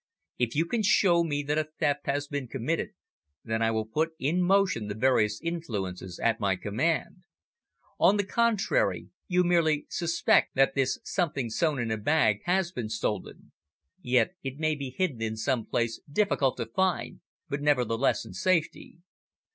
"If you can show me that a theft has been committed, then I will put in motion the various influences at my command. On the contrary, you merely suspect that this something sewn in a bag has been stolen. Yet it may be hidden in some place difficult to find, but nevertheless in safety.